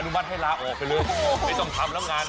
มัติให้ลาออกไปเลยไม่ต้องทำแล้วงาน